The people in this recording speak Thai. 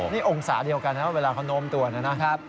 นี่องศาเดียวกันนะเวลาเขาโน้มตัวนะครับ